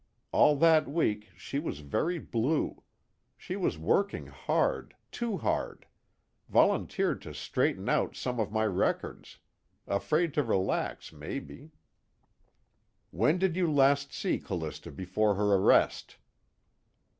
All that week she was very blue. She was working hard too hard; volunteered to straighten out some of my records. Afraid to relax, maybe." "When did you last see Callista before her arrest?"